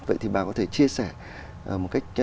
vậy thì bà có thể chia sẻ một cách rõ ràng hơn về cái công việc này